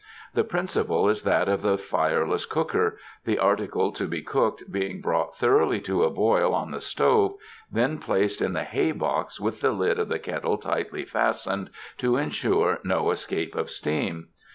The principle is that of the fireless cooker, the article to be cooked being brought thoroughly to a boil on the stove, then placed in the hay box with the lid of the kettle tightly fastened to ensure no escape of steam.